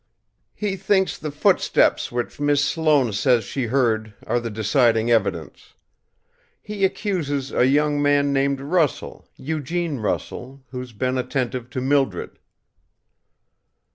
"He thinks the footsteps which Miss Sloane says she heard are the deciding evidence. He accuses a young man named Russell, Eugene Russell, who's been attentive to Mildred."